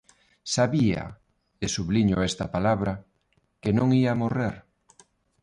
Sabía –e subliño esta palabra– que non ía morrer.